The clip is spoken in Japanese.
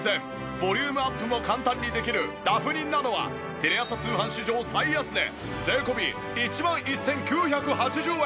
ボリュームアップも簡単にできるダフニｎａｎｏはテレ朝通販史上最安値税込１万１９８０円。